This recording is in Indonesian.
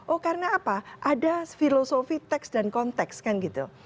oh karena apa ada filosofi teks dan konteks kan gitu